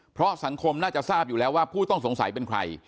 เพราะสังคมน่าจะทราบอยู่แล้วว่าผู้ต้องสงสัยเป็นใคร